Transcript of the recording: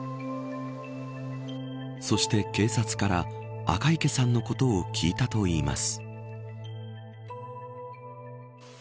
そして警察から赤池さんのことを聞いたといいます。